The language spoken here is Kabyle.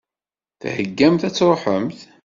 Theggamt ad tṛuḥemt?